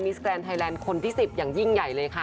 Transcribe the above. สแตนไทยแลนด์คนที่๑๐อย่างยิ่งใหญ่เลยค่ะ